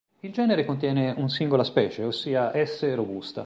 Il genere contiene un singola specie, ossia "S. robusta".